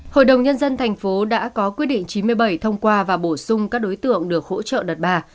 hội đồng nhân dân tp hcm đã có quyết định chín mươi bảy thông qua và bổ sung các đối tượng được hỗ trợ đợt bà